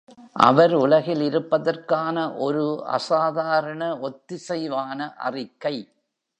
அவர் உலகில் இருப்பதற்கான ஒரு அசாதாரண ஒத்திசைவான அறிக்கை.